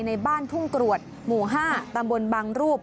ในบ้านทุ่งกรวดหมู่๕ตำบลบางรูป